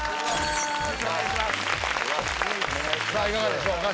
さあいかがでしょうか？